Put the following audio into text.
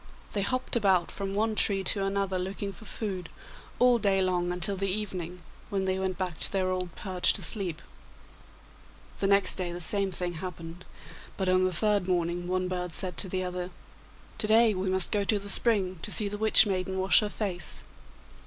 They hopped about from one tree to another looking for food, all day long until the evening, when they went back to their old perch to sleep. The next day the same thing happened, but on the third morning one bird said to the other, 'To day we must go to the spring to see the Witch maiden wash her face.